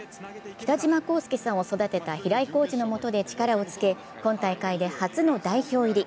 北島康介さんを育てた平井コーチのもとで力をつけ、今大会で初の代表入り。